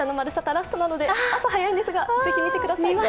ラストなので、朝早いんですけど、ぜひ、見てください。